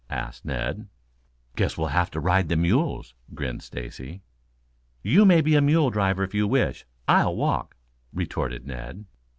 asked Ned. "Guess we'll have to ride the mules," grinned Stacy. "You may be a mule driver if you wish I'll walk," retorted Ned.